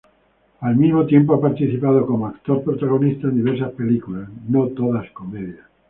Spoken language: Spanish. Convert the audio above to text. Al mismo tiempo, ha participado como actor protagonista en diversas películas, no todas comedias.